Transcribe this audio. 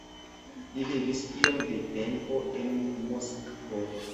Li vivis iom de tempo en Moskvo.